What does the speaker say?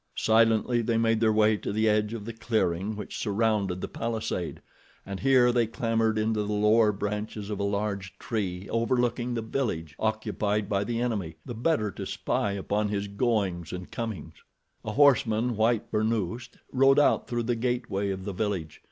Silently they made their way to the edge of the clearing which surrounded the palisade, and here they clambered into the lower branches of a large tree overlooking the village occupied by the enemy, the better to spy upon his goings and comings. A horseman, white burnoosed, rode out through the gateway of the village.